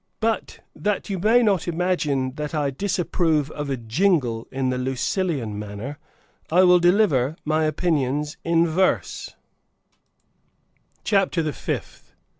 But that you may not imagine that I disapprove of a jingle in the Lucilian manner, I will deliver my opinions in verse, CHAPTER THE FIFTH.